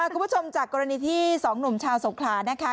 คุณผู้ชมจากกรณีที่๒หนุ่มชาวสงครานนะคะ